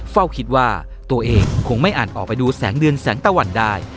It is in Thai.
เฝ้าคิดว่าตัวเองคงไม่อาจออกไปดูแสงเดือนแสงตะวันได้